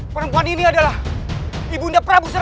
perempuan ini adalah ibu nda prabu sriwisesa